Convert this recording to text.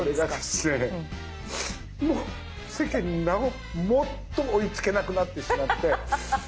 もう世間になおもっと追いつけなくなってしまって。